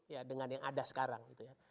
ya dengan yang ada sekarang